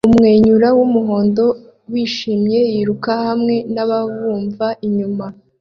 Umwenyura wumuhondo wishimye yiruka hamwe nababumva inyuma